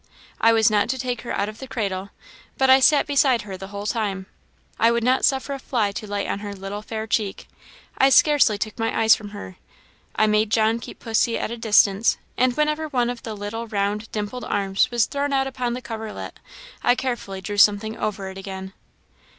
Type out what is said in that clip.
I was not to take her out of the cradle, but I sat beside her the whole time; I would not suffer a fly to light on her little fair cheek; I scarcely took my eyes from her; I made John keep pussy at a distance; and whenever one of the little, round, dimpled arms was thrown out upon the coverlet, I carefully drew something over it again."